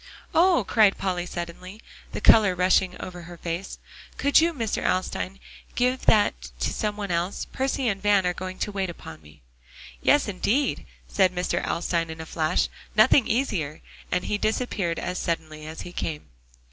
"Oh!" cried Polly suddenly, the color rushing over her face. "Could you, Mr. Alstyne, give that to some one else? Percy and Van are going to wait upon me." "Yes, indeed," said Mr. Alstyne in a flash, "nothing easier;" and he disappeared as suddenly as he came.